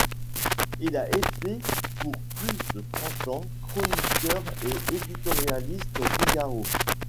Il a été pour plus de trente ans chroniqueur et éditorialiste au Figaro.